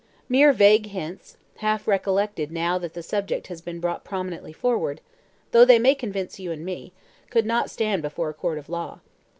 Mere vague hints, half recollected now that the subject has been brought prominently forward, though they may convince you and me, could not stand before a court of law.